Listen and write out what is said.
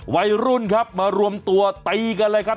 วัยรุ่นครับมารวมตัวตีกันเลยครับ